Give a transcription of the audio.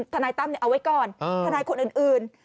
ทนายตั้มเอาไว้ก่อนทนายคนอื่น